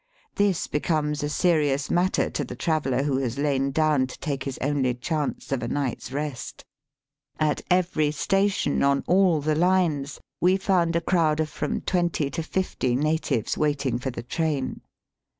This becomes a serious matter to the traveller who has lain Digitized by VjOOQIC 202 vEAST BY WEST*. down to take his only chance of a night's rest. At every station on all the lines we found a crowd of from twenty to fifty natives waiting for the train.